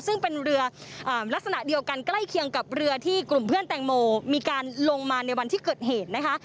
ซึ่งเป็นเรือลักษณะเดียวกันใกล้เคียงกับเรือที่กลุ่มเพื่อนแตงโมมีการลงมาในวันที่เกิดเหตุนะคะ